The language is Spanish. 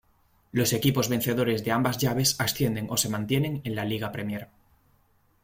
Los equipos vencedores de ambas llaves ascienden o se mantienen en la "Liga Premier".